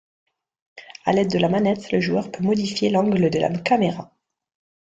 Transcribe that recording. À l'aide de la manette le joueur peut modifier l'angle de la caméra.